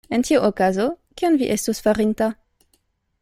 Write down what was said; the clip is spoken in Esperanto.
En tiu okazo, kion vi estus farinta?